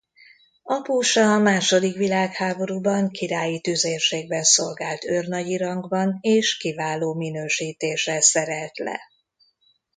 Apósa a második világháborúban Királyi Tüzérségben szolgált őrnagyi rangban és kiváló minősítéssel szerelt le.